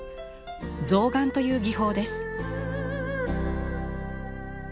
象眼という技法です。